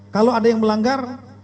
kalau ada yang melanggar